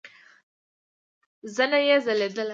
زنه يې ځليدله.